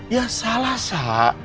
ya salah sa